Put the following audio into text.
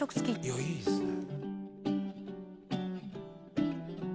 「いやいいですね」